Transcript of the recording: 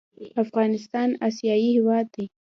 افغانستان اسیایي هېواد دی.